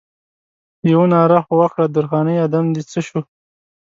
یوه ناره خو وکړه درخانۍ ادم دې څه شو؟